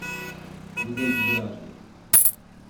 "Widzę to wyraźnie."